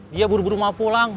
dia buru buru mau pulang